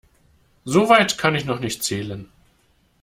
So weit kann ich noch nicht zählen.